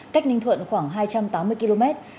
cách ninh thuận khoảng hai trăm tám mươi km